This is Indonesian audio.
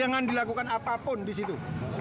jangan dilakukan apapun disitu